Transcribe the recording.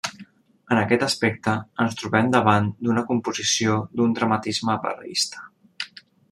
En aquest aspecte ens trobem davant d'una composició d'un dramatisme verista.